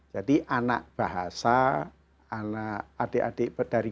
jadi anak bahasa anak adik adik dari